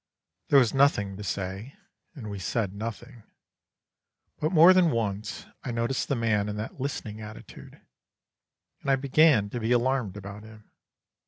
There was nothing to say, and we said nothing, but more than once I noticed the man in that listening attitude, and I began to be alarmed about him.